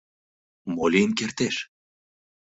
— Мо лийын кертеш?